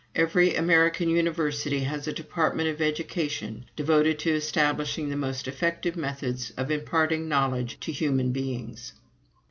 Every American university has a department of education devoted to establishing the most effective methods of imparting knowledge to human beings."